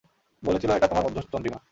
বলেছিল, এটা তোমার মধুচন্দ্রিমা।